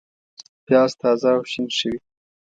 پیاز تازه او شین ښه وي